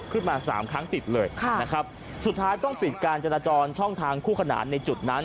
ขึ้นมาสามครั้งติดเลยค่ะนะครับสุดท้ายต้องปิดการจราจรช่องทางคู่ขนานในจุดนั้น